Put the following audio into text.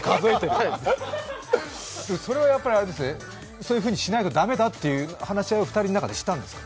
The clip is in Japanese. そういうふうにしないと駄目だという話し合いを２人の中でしたんですか？